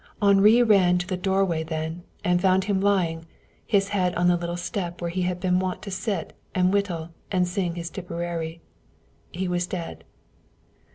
Henri ran to the doorway then and found him lying, his head on the little step where he had been wont to sit and whittle and sing his Tipperaree. He was dead.